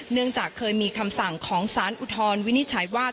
เนื่องจากเคยมีคำสั่งของสารอุทธรณวินิจฉัยว่า